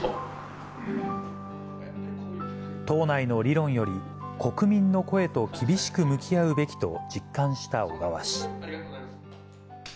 党内の理論より、国民の声と厳しく向き合うべきと実感した小川氏。